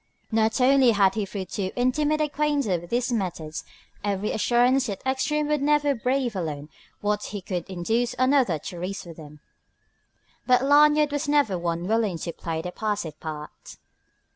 Not only had he through too intimate acquaintance with his methods every assurance that Ekstrom would never brave alone what he could induce another to risk with him, but Lanyard was never one willing to play the passive part.